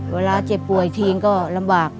เวลาเจ็บป่วยทีนก็ลำบาก